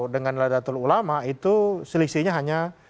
dengan ladatul ulama itu selisihnya hanya